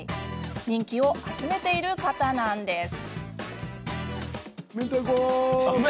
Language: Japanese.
人気を集めている方なんです。